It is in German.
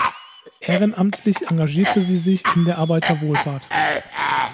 Ehrenamtlich engagierte sie sich in der Arbeiterwohlfahrt.